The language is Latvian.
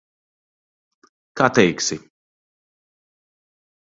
Kā teiksi.